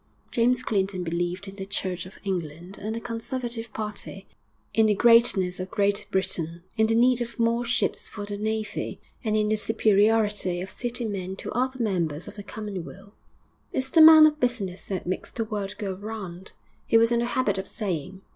James Clinton believed in the Church of England and the Conservative party, in the greatness of Great Britain, in the need of more ships for the navy, and in the superiority of city men to other members of the commonweal. 'It's the man of business that makes the world go round,' he was in the habit of saying.